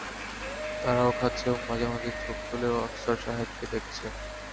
তারাও খাচ্ছে এবং মাঝেমাঝে চোখ তুলে আফসার সাহেবকে দেখছে।